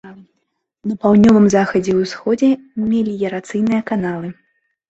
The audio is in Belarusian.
На паўднёвым захадзе і ўсходзе меліярацыйныя каналы.